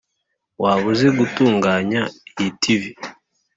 waba uzi gutunganya iyi tv?